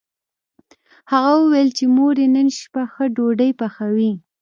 هغه وویل چې مور یې نن شپه ښه ډوډۍ پخوي